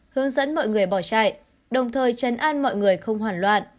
hướng dẫn mọi người bỏ chạy đồng thời chấn an mọi người không hoàn loạn